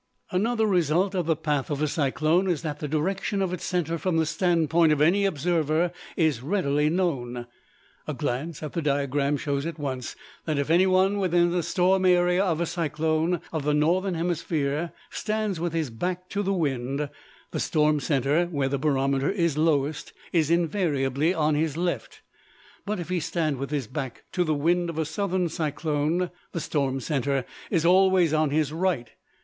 ] Another result of the path of a cyclone is that the direction of its center from the stand point of any observer is readily known. A glance at the diagram shows at once that if any one within the storm area of a cyclone of the northern hemisphere stands with his back to the wind, the storm center, where the barometer is lowest, is invariably on his left: but if he stand with his back to the wind of a southern cyclone, the storm center is always on his right.